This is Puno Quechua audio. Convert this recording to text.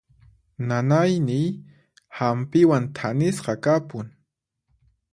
Nanayniy hampiwan thanisqa kapun.